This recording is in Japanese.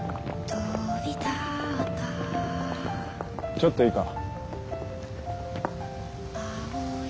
ちょっといいか。